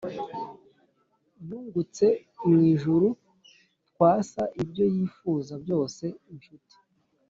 yungutse mwijuru ('twas ibyo yifuza byose) inshuti.